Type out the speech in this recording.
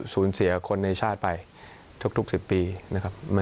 สูญเสียคนในชาติไปทุก๑๐ปีนะครับ